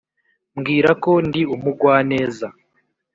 mbwira ko ndi umugwaneza,